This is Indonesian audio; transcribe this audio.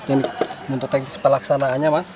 ini untuk teknis pelaksanaannya mas